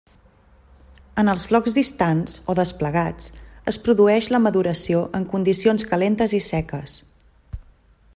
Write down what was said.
En els flocs distants, o desplegats, es produeix la maduració en condicions calentes i seques.